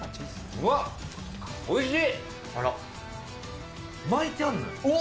うわっ、おいしい！